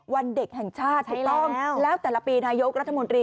วันเด็กแห่งชาติถูกต้องแล้วแต่ละปีนายกรัฐมนตรี